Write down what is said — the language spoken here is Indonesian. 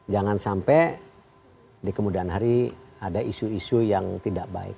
jangan sampai di kemudian hari ada isu isu yang tidak baik